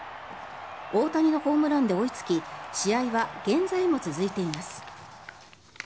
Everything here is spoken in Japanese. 大谷のホームランで追いつき試合は現在も続いています。